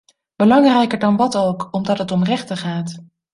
Belangrijker dan wat ook, omdat het om rechten gaat.